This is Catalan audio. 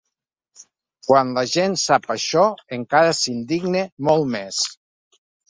Quan la gent sap això, encara s’indigna molt més.